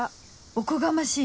おこがましい！